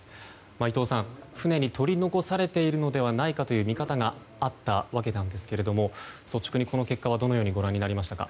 伊藤さん、船に取り残されているのではないかという見方があったわけですが率直にこの結果はどのようにご覧になりましたか？